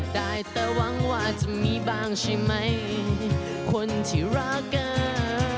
ได้แต่หวังว่าจะมีบ้างใช่ไหมคนที่รักกัน